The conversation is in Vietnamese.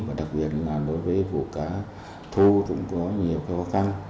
và đặc biệt là đối với vụ cá thu cũng có nhiều khó khăn